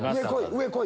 上こい！